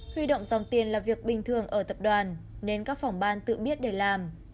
huy động dòng tiền là việc bình thường ở tập đoàn nên các phòng ban tự biết để làm